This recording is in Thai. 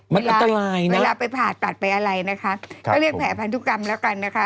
มันอันตรายนะเวลาไปผ่าตัดไปอะไรนะคะก็เรียกแผ่พันธุกรรมแล้วกันนะคะ